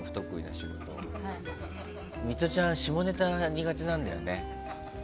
ミトちゃん下ネタが苦手なんだよね。